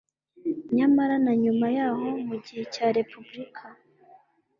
Nyamara na nyuma y'aho mu gihe cya Repubulika,